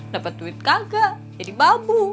dapet duit kagak jadi babu